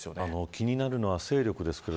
気になるのは勢力です。